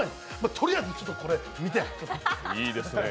とりあえずちょっとこれ、見て！